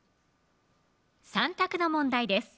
３択の問題です